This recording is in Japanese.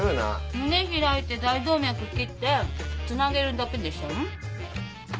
胸開いて大動脈切ってつなげるだけでしょ。